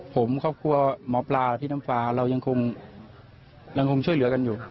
ผมครอบครัวหมอปลาพี่น้ำฟ้าเรายังคงช่วยเหลือกันอยู่